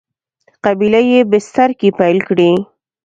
قبیله یي بستر کې پیل کړی.